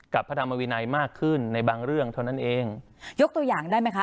พระธรรมวินัยมากขึ้นในบางเรื่องเท่านั้นเองยกตัวอย่างได้ไหมคะ